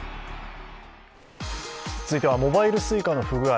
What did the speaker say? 続いてはモバイルＳｕｉｃａの不具合